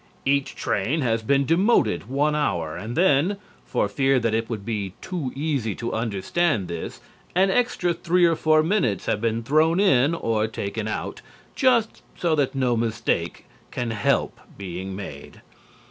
Each train has been demoted one hour, and then, for fear that it would be too easy to understand this, an extra three or four minutes have been thrown in or taken out, just, so that no mistake can help being made.